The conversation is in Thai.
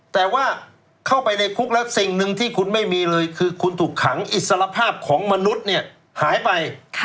แต่ว่าเข้าไปในคุกแล้วสิ่งหนึ่งที่คุณไม่มีเลยคือคุณถูกขังอิสรภาพของมนุษย์เนี่ยหายไป